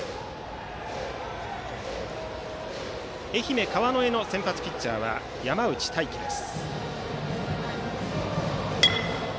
愛媛・川之江の先発ピッチャーは山内太暉です。